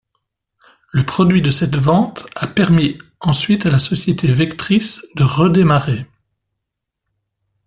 Le produit de cette vente a permis ensuite à la société Vectrix de redémarrer.